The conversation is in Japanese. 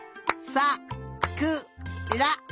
「さくら」。